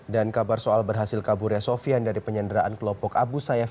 dan kabar soal berhasil kaburnya sofian dari penyandaran kelompok abu sayyaf